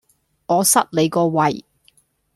我塞你個胃!